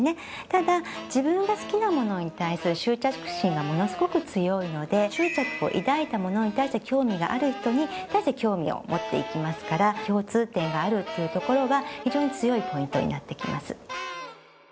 ただ自分が好きなものに対する執着心がものすごく強いので執着を抱いたものに対して興味がある人に対して興味を持っていきますから共通点があるっていうところは非常に強いポイントになってきます。